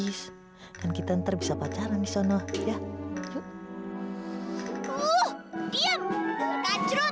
iya kamu kan harusnya datang ke rumah aku karena kamu jemburu